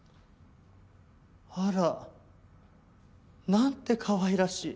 あらなんてかわいらしい。